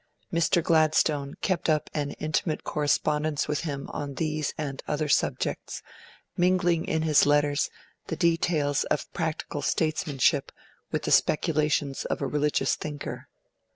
Mr. Gladstone kept up an intimate correspondence with him on these and on other subjects, mingling in his letters the details of practical statesmanship with the speculations of a religious thinker.